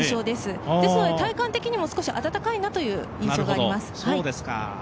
ですので体感的にも少し暖かいなという印象があります。